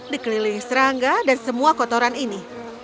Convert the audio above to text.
dikelilingi serangga dan semua kotoran ini